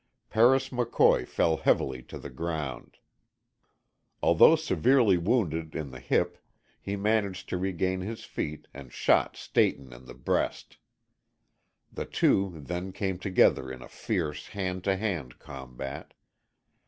Paris McCoy fell heavily to the ground. Although severely wounded in the hip he managed to regain his feet and shot Stayton in the breast. The two then came together in a fierce hand to hand combat.